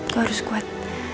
gua harus kuat